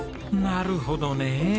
なるほどねえ。